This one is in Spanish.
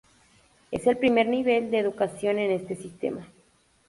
Es el primer nivel de educación en este sistema.